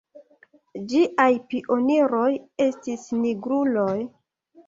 Ĝiaj pioniroj estis nigruloj.